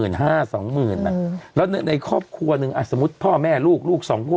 ถ้าตก๕๒หมื่นแล้วในครอบครัวหนึ่งสมมติพ่อแม่ลูก๒บอต